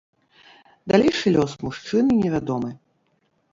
Далейшы лёс мужчыны невядомы.